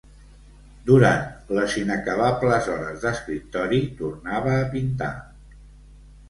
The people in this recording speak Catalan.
Durant les inacabables hores d'escriptori tornava a pintar